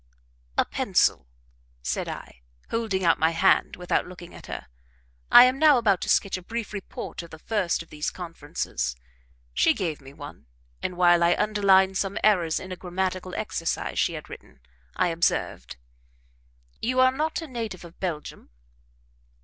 "A pencil," said I, holding out my hand without looking at her. (I am now about to sketch a brief report of the first of these conferences.) She gave me one, and while I underlined some errors in a grammatical exercise she had written, I observed "You are not a native of Belgium?"